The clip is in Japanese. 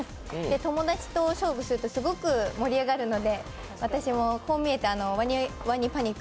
友達と勝負するとすごく盛り上がるので私もこう見えて「ワニワニパニック」